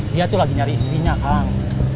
dia tuh lagi nyari istrinya kang